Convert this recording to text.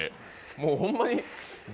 もうホンマに。